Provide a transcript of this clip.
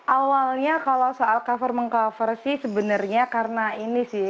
awalnya kalau soal cover meng cover sih sebenarnya karena ini sih